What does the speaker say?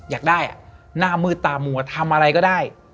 อยากได้หน้ามืดตามัวทำอะไรก็ได้